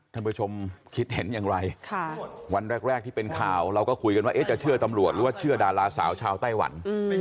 ท่านผู้ชมคิดเห็นอย่างไรวันแรกที่เป็นข่าวเราก็คุยกันว่าจะเชื่อตำรวจหรือว่าเชื่อดาราสาวชาวไต้หวัน